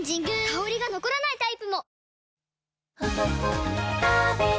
香りが残らないタイプも！